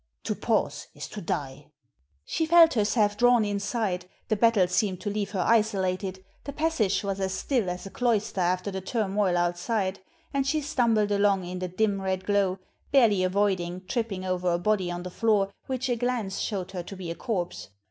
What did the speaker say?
To pause is to die!" She felt herself drawn inside, the battle seemed to leave her isolated, the passage was as still as a cloister after the turmoil outside, and she stumbled along in the dim red glow, barely avoiding tripping over a body on the floor which a glance showed her to be a corpse.